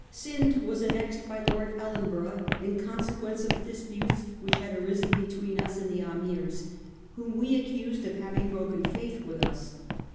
Scinde was annexed by Lord Ellenborough in consequence of the disputes which had arisen between us and the Ameers, whom we accused of having broken faith with us.